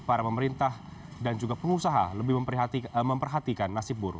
para pemerintah dan juga pengusaha lebih memperhatikan nasib buruh